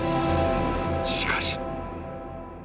［しかし］